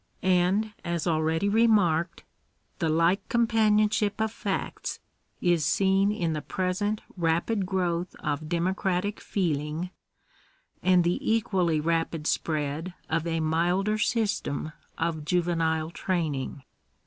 And, as already remarked, the like companionship of facts is seen in the present rapid growth of democratic feeling, and the equally rapid spread of a milder system of juvenile training.